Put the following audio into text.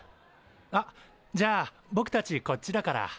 あっじゃあぼくたちこっちだから。